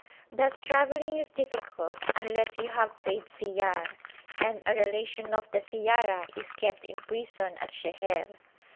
Thus travelling is difficult unless you have paid siyar, and a relation of the siyara is kept in prison at Sheher.